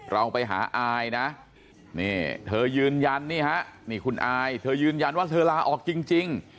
เราไปหาอายนะนี่เธอยืนยันนี่ฮะนี่คุณอายเธอยืนยันว่าเธอลาออกจริง